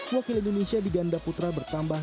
wakil indonesia di ganda putra bertambah